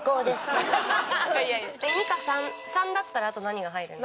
２か３３だったらあと何が入るんですか？